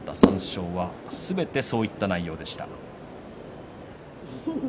王鵬が勝った３勝はすべてそういった内容でした。